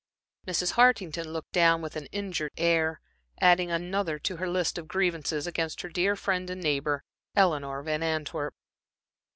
Mrs. Hartington looked down with an injured air, adding another to her list of grievances against her dear friend and neighbor, Eleanor Van Antwerp.